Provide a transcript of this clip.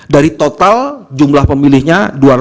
dari total jumlah pemilihnya